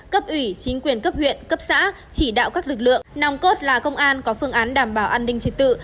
cấp ủy chính quyền cấp huyện cấp xã chỉ đạo các lực lượng nòng cốt là công an có phương án đảm bảo an ninh trật tự